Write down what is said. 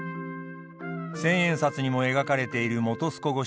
千円札にも描かれている本栖湖越しの富士山。